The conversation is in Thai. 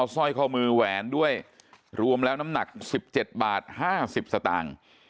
สร้อยข้อมือแหวนด้วยรวมแล้วน้ำหนัก๑๗บาท๕๐สตางค์